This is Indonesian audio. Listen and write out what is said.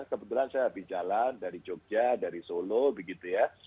kebetulan saya berjalan dari jogja dari solo begitu ya